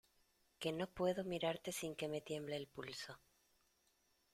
que no puedo mirarte sin que me tiemble el pulso.